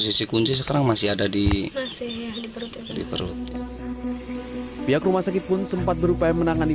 posisi kunci sekarang masih ada di masih di perut pihak rumah sakit pun sempat berupaya menangani